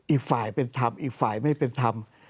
อีกฝ่ายเป็นธรรมอีกฝ่ายไม่เป็นธรรม